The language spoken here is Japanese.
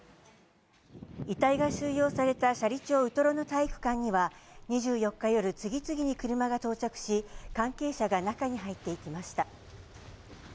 遺体が収容された斜里町ウトロの体育館には、２４日夜、次々に車が到着し、関係者が中に入っていきました。